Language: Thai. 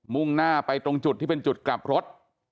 ่งหน้าไปตรงจุดที่เป็นจุดกลับรถ